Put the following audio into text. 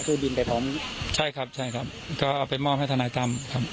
บินไปพร้อมใช่ครับใช่ครับก็เอาไปมอบให้ทนายตั้มครับ